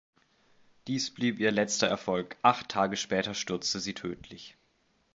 Dies blieb ihr letzter Erfolg, acht Tage später stürzte sie tödlich.